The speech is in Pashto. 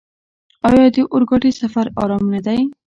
آیا د اورګاډي سفر ارام نه دی؟